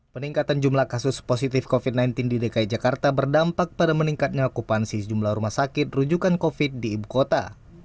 peningkatan jumlah kasus positif covid sembilan belas di dki jakarta berdampak pada meningkatnya okupansi jumlah rumah sakit rujukan covid di ibu kota